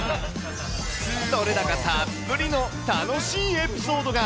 撮れ高たっぷりの楽しいエピソードが。